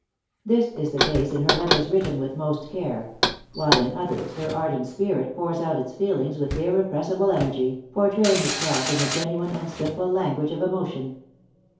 This is the case in her letters written with most care; while in others her ardent spirit pours out its feelings with irrepressible energy, portraying itself in the genuine and simple language of emotion.